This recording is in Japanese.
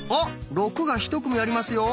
「６」がひと組ありますよ。